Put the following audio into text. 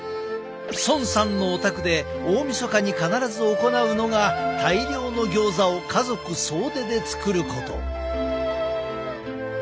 孫さんのお宅で大みそかに必ず行うのが大量のギョーザを家族総出で作ること。